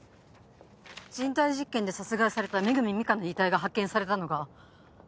人体実験で殺害された恵美佳の遺体が発見されたのが。